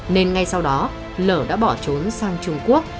nên ngay sau đó lở đã bỏ trốn sang trung quốc